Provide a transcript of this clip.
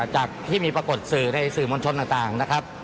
จากที่มีปรากฏสื่อในสื่อมวลชนต่างนะครับ